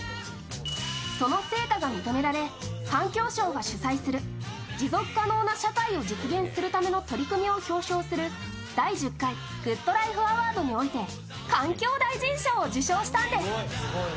その成果が認められ環境省が主催する持続可能な社会を実現するための取り組みを表彰する第１０回グッドライフアワードにおいて環境大臣賞を受賞したんです。